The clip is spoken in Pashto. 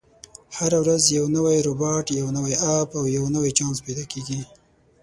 هره ورځ یو نوی روباټ، یو نوی اپ، او یو نوی چانس پیدا کېږي.